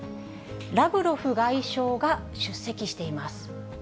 ラブロフ外相が出席しています。